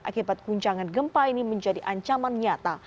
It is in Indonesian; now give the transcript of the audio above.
akibat guncangan gempa ini menjadi ancaman nyata